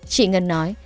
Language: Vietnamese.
chị ngân nói